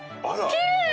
きれい！